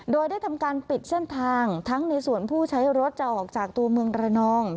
โดยได้ทำการปิดเส้นทางทั้งในส่วนผู้ใช้รถจะออกจากตัวเมืองระนอง